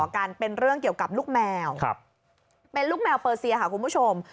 กันเป็นเรื่องเกี่ยวกับลูกแมวเป็นลูกแมวเปอร์เซียค่ะคุณผู้ชม